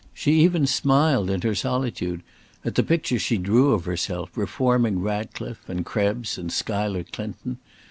She even smiled in her solitude at the picture she drew of herself, reforming Ratcliffe, and Krebs, and Schuyler Clinton.